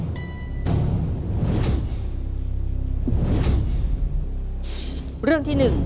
ถ้าพร้อมแล้วเรามาดูคำถามทั้ง๕เรื่องพร้อมกันเลยครับ